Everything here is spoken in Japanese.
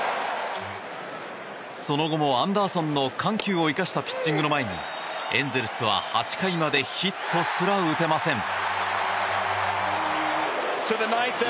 その後もアンダーソンの緩急を生かしたピッチングの前にエンゼルスは８回までヒットすら打てません。